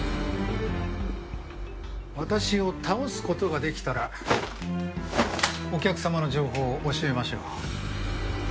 私を倒す事ができたらお客様の情報を教えましょう。